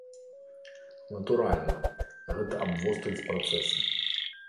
Натуральна, гэта абвострыць працэсы.